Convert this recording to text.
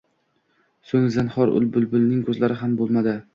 So‘ng zinhor ul bulbulning ko‘zlari nam bo‘lmadi